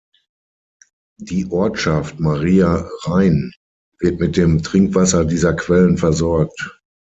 Die Ortschaft Maria Rain wird mit dem Trinkwasser dieser Quellen versorgt.